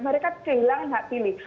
mereka kehilangan hak pilih